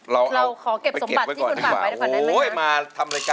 เราขอเก็บสมบัติที่คุณฝากไว้ได้ป่ะไหมคะ